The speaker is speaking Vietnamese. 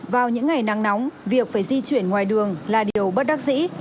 vào những ngày nắng nóng việc phải di chuyển ngoài đường là điều bất đắc dĩ